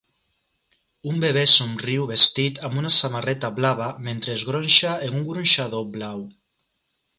Un bebè somriu vestit amb una samarreta blava mentre es gronxa en un gronxador blau